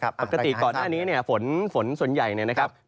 ปกติก่อนหน้านี้ฝนส่วนใหญ่นะครับ